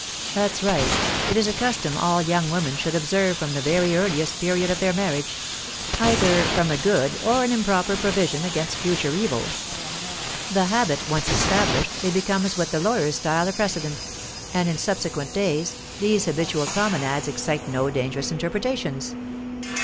"That's right! It is a custom all young women should observe from the very earliest period of their marriage, either from a good or an improper provision against future evil. The habit once established, it becomes what the lawyers style a precedent; and, in subsequent days, these habitual promenades excite no dangerous interpretations.